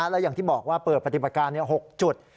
และอย่างที่บอกว่าเปิดปฏิบัติการ๖จุด